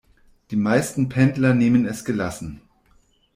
Die meisten Pendler nehmen es gelassen.